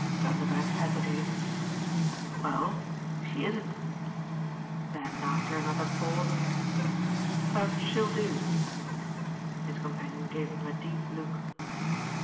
Vanderbank hesitated. "Well, she isn't." Then after another pause: "But she'll do." His companion gave him a deep look.